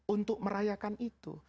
untuk merayakan itu